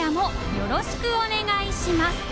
よろしくお願いします